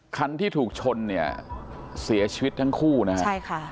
คันที่ถูกชนเนี่ยเสียชีวิตทั้งคู่นะฮะใช่ค่ะ